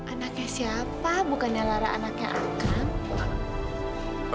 anaknya siapa bukannya lara anaknya akan